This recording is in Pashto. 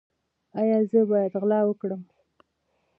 ایا زه باید غلا وکړم؟